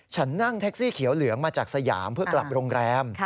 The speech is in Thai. ฉันนั่งแท็กซี่เขียวเหลืองมาจากสยามเพื่อกลับโรงแรม